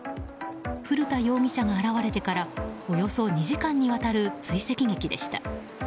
古田容疑者が現れてからおよそ２時間にわたる追跡劇でした。